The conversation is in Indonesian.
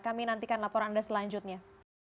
kami nantikan laporan anda selanjutnya